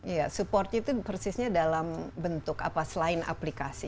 iya supportnya itu persisnya dalam bentuk apa selain aplikasi